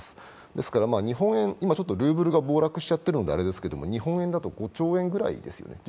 ですから、日本円、今ちょっとルーブルが暴落しちゃっているのであれなんですけど日本円だと５兆円ぐらいですね。